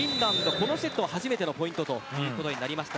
このセットは初めてのポイントということになりました。